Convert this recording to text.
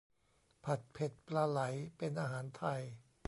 ผัดเผ็ดปลาไหลเป็นอาหารไทย